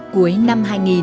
cuối năm hai nghìn